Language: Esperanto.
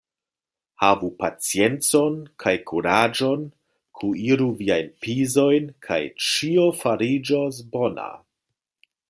Havu paciencon kaj kuraĝon, kuiru viajn pizojn, kaj ĉio fariĝos bona.